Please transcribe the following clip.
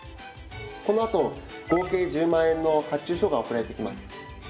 このあと合計１０万円の発注書が送られてきます。